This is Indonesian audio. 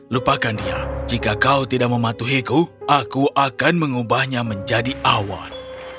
lupakan dia jika kau tidak mematuhiku aku akan mengubahnya menjadi awan